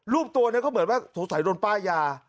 รูปตัวนี้ก็เหมือนว่าสงสัยโดนป้ายยา